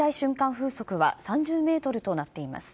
風速は３０メートルとなっています。